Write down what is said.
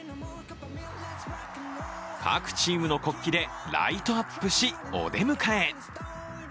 各チームの国旗でライトアップし、お出迎え。